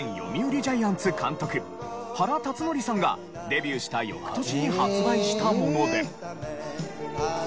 ジャイアンツ監督原辰徳さんがデビューした翌年に発売したもので。